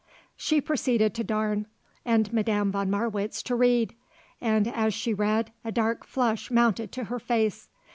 She proceeded to darn and Madame von Marwitz to read, and as she read a dark flush mounted to her face.